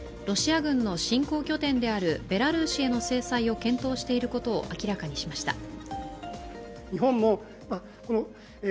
ロシア軍の侵攻拠点であるベラルーシへの制裁を検討していることを明らかにしました。